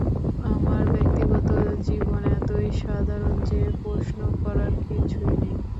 আমার ব্যক্তিগত জীবন এতই সাধারণ যে প্রশ্ন করার কিছুই নেই।